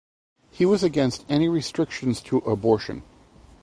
He was against any restrictions to abortion.